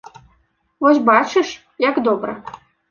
Вось бачыш, як добра.